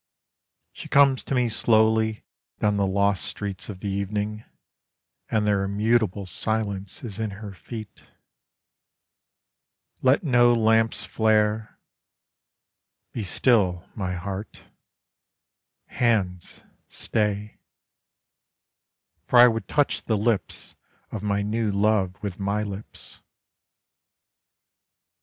She comes to me slowly down the lost streets of the evening, And their immutable silence is in her feet. Let no lamps flare be still, my heart hands, stay: For I would touch the lips of my new love with my lips.